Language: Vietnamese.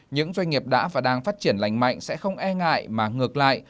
những doanh nghiệp đã và đang phát triển lành mạnh sẽ không e ngại mà ngược lại